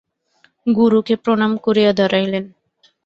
গুরুকে প্রণাম করিয়া দাঁড়াইলেন।